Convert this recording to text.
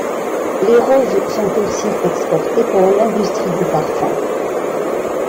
Les roses sont aussi exportées pour l'industrie du parfum.